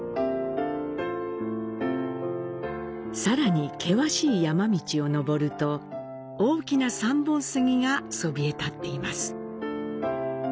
さらに険しい山道を登ると大きな三本杉がそびえ立っています。